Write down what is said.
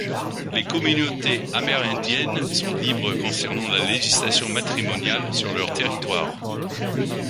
Les communautés amérindiennes sont libres concernant la législation matrimonial sur leurs territoires.